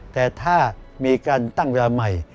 แต่ถ้ามีการตั้งเวลาใหม่